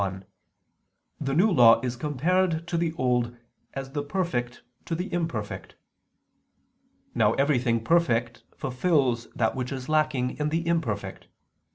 1), the New Law is compared to the Old as the perfect to the imperfect. Now everything perfect fulfils that which is lacking in the imperfect.